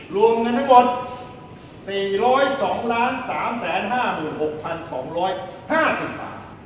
รวมเงินทั้งหมด๔๐๒๓๕๖๒๕๐บาท